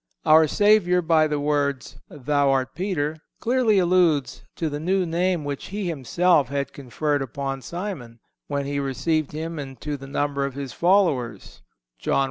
Our Savior, by the words "thou art Peter," clearly alludes to the new name which He Himself had conferred upon Simon, when He received him into the number of His followers (John i.